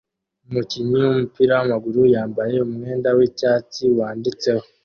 Umukinnyi wumupira wamaguru yambaye umwenda wicyatsi wanditseho ""